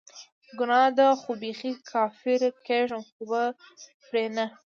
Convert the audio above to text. ګناه ده خو بیخي کافره کیږم خو به پری نه